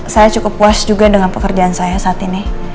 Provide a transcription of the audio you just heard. saya cukup puas juga dengan pekerjaan saya saat ini